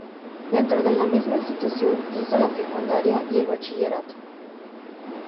Dentro de esta misma institución hizo la secundaria y el bachillerato.